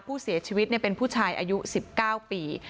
ผู้เสียชีวิตเป็นผู้ชายอายุ๑๙ปี